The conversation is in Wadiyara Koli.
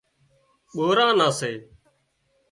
ٻوران نان سي